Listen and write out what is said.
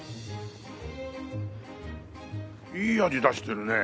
いい味出してるね。